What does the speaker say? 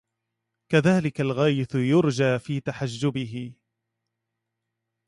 كذلك الغيث يرجى في تحجبه